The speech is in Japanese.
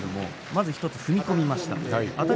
１つ踏み込みました。